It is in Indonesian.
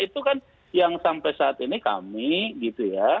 itu kan yang sampai saat ini kami gitu ya